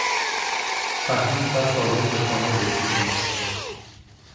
صحیح و سالم به خانه رسیدیم.